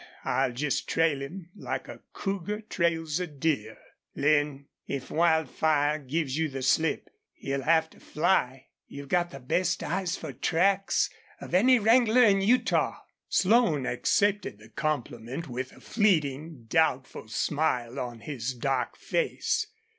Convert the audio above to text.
I'll just trail him, like a cougar trails a deer." "Lin, if Wildfire gives you the slip he'll have to fly. You've got the best eyes for tracks of any wrangler in Utah." Slone accepted the compliment with a fleeting, doubtful smile on his dark face.